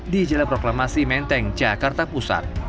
di jalan proklamasi menteng jakarta pusat